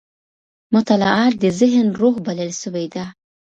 مطالعه د ذهن روح بلل سوې ده.